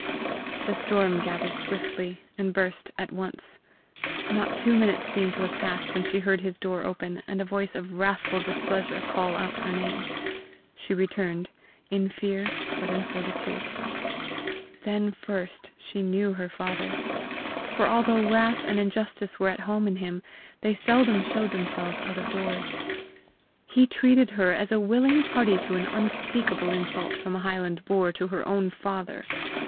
The storm gathered swiftly, and burst at once. Not two minutes seemed to have passed when she heard his door open, and a voice of wrathful displeasure call out her name. She returned in fear, but in fortitude. Then first she knew her father! for although wrath and injustice were at home in him, they seldom showed themselves out of doors. He treated her as a willing party to an unspeakable insult from a highland boor to her own father.